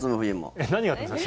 何があったんですか？